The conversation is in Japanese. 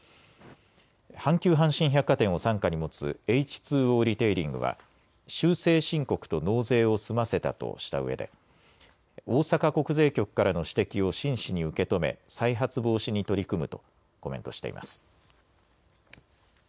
阪急阪神百貨店を傘下に持つエイチ・ツー・オーリテイリングは修正申告と納税を済ませたとしたうえで大阪国税局からの指摘を真摯に受け止め再発防止に取り組むとコメントしています。